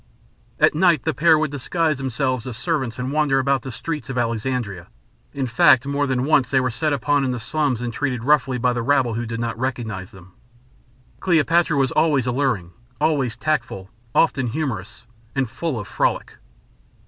At night the pair would disguise themselves as servants and wander about the streets of Alexandria. In fact, more than once they were set upon in the slums and treated roughly by the rabble who did not recognize them. Cleopatra was always alluring, always tactful, often humorous, and full of frolic.